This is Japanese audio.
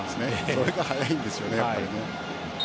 それが速いんですよね。